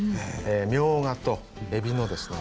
みょうがとえびのですね